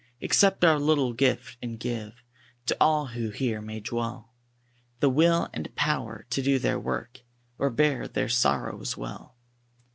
Accept our little gift, and give To all who here may dwell, The will and power to do their work, Or bear their sorrows well.